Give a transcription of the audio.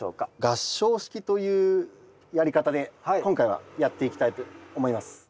合掌式というやり方で今回はやっていきたいと思います。